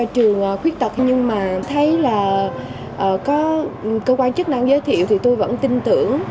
trường khuyết tật nhưng mà thấy là có cơ quan chức năng giới thiệu thì tôi vẫn tin tưởng